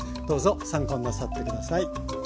どうぞ参考になさって下さい。